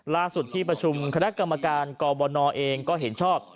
ล่าสุดที่ประชุมคณะกรรมการกบนเองก็เห็นชอบ